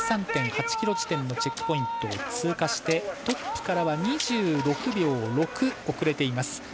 １３．８ｋｍ地点のチェックポイントを通過してトップからは２６秒６遅れてます。